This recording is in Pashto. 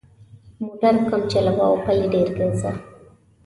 موټر کم چلوه او پلي ډېر ګرځه.